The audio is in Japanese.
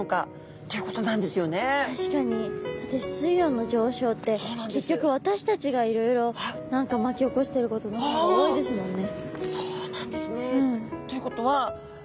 だって水温の上昇って結局私たちがいろいろ何か巻き起こしてることの方が多いですもんね。